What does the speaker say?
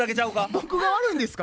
僕が悪いんですか？